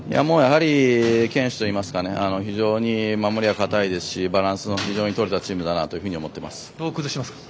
堅守といいますか非常に守りも堅いですしバランスのとれたチームだなと思っています。